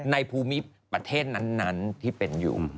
ในภูมิประเทศนั้นที่เป็นอยู่